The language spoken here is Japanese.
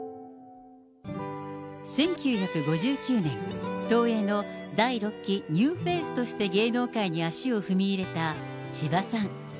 １９５９年、東映の第６期ニューフェイスとして芸能界に足を踏み入れた千葉さん。